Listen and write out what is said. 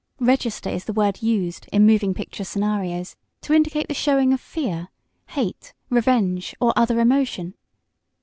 "Register" is the word used in moving picture scenarios to indicate the showing of fear, hate, revenge or other emotion.